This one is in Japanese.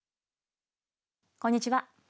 こんにちは。